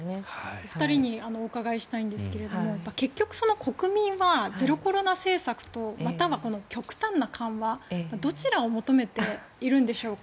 お二人にお伺いしたいんですけれども結局国民はゼロコロナ政策とまたは極端な緩和のどちらを求めているんでしょうか？